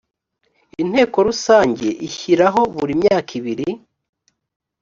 inteko rusange ishyiraho buri myaka ibiri